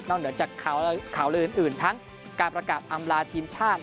เหนือจากข่าวลืออื่นทั้งการประกาศอำลาทีมชาติ